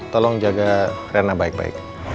tolong jaga rana baik baik